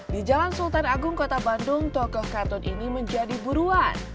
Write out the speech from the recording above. di jalan sultan agung kota bandung tokoh kartun ini menjadi buruan